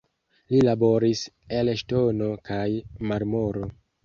Li laboris el ŝtono kaj marmoro.